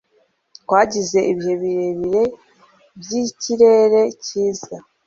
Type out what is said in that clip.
Twagize ibihe birebire byikirere cyiza.